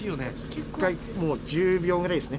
１回１０秒ぐらいっすね。